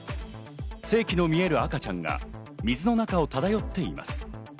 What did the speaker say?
性器の見える赤ちゃんが水の中を漂っています。